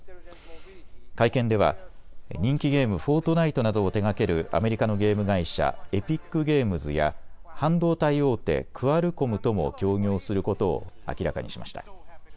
会見では人気ゲーム、フォートナイトなどを手がけるアメリカのゲーム会社、エピックゲームズや半導体大手、クアルコムとも協業することを明らかにしました。